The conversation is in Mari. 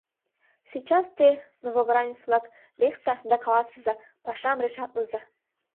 — Сейчас те, новобранец-влак, лекса да каласыза: пашам решатлена.